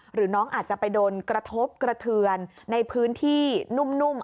หรือน้องอาจจะไปโดนกระทบกระเทือนในพื้นที่นุ่ม